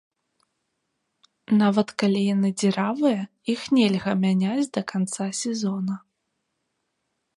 Нават калі яны дзіравыя, іх нельга мяняць да канца сезона.